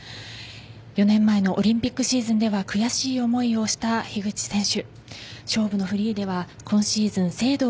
４年前のオリンピックシーズンでは悔しい思いをした樋口選手。